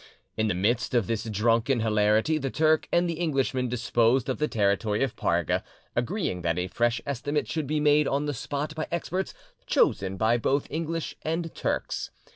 In the midst of this drunken hilarity the Turk and the Englishman disposed of the territory of Parga; agreeing that a fresh estimate should be made on the spot by experts chosen by both English and Turks.